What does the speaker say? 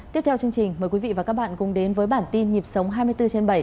kính chào quý vị và các bạn đến với bản tin nhịp sống hai mươi bốn trên bảy